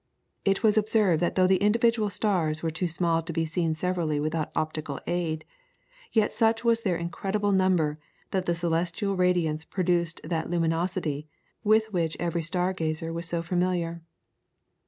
It was observed that though the individual stars were too small to be seen severally without optical aid, yet such was their incredible number that the celestial radiance produced that luminosity with which every stargazer was so familiar.